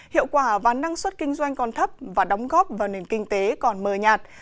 hiệu quả và năng suất kinh doanh còn thấp và đóng góp vào nền kinh tế còn mờ nhạt